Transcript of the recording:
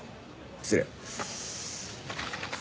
失礼。